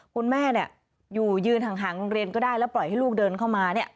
คุณแม่อยู่ยืนห่างโรงเรียนก็ได้แล้วปล่อยให้ลูกเดินเข้ามา